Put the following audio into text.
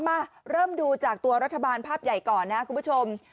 มาเริ่มดูจากตัวรัฐบาลภาพใหญ่ก่อนนะคุณผู้ชม